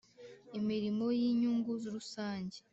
Imirimo y inyungu rusange